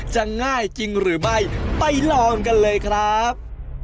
ง่ายจริงหรือไม่ไปลองกันเลยครับ